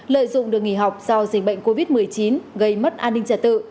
lợi dụng đường nghỉ học do dịch bệnh covid một mươi chín gây mất an ninh trẻ tự